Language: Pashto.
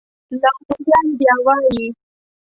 لاهوریان بیا وایي.